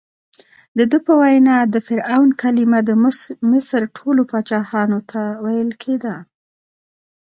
دده په وینا د فرعون کلمه د مصر ټولو پاچاهانو ته ویل کېده.